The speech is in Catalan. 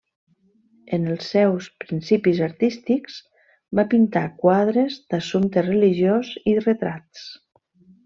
En els seus principis artístics va pintar quadres d'assumpte religiós i retrats.